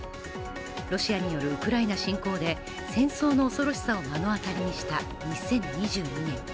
ロシアによるウクライナ侵攻で戦争の恐ろしさを目の当たりにした２０２２年。